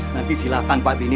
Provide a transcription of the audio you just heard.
nanti silahkan pak benny